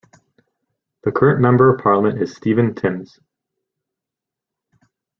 The current Member of Parliament is Stephen Timms.